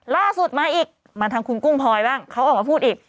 ล่าสุดมาอีกมาทางคุณกุ้งพลอยบ้างเขาออกมาพูดอีก